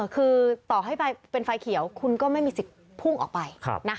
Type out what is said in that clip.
คือต่อให้เป็นไฟเขียวคุณก็ไม่มีสิทธิ์พุ่งออกไป